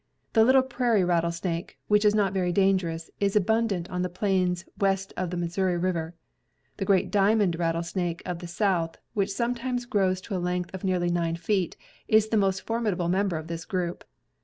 The little prairie rattlesnake, which is not very dangerous, is abundant on the plains west of the Missouri River. The great diamond rattlesnake of the South, which sometimes grows to a length of nearly nine feet, is the most formidable member of this group.